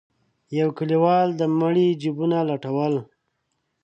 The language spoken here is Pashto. يو کليوال د مړي جيبونه لټول.